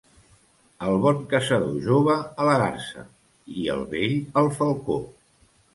El bon caçador jove, a la garsa, i el vell, al falcó.